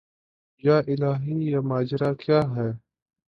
یا الٰہی یہ ماجرا کیا ہے